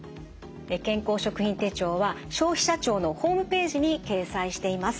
健康食品手帳は消費者庁のホームページに掲載しています。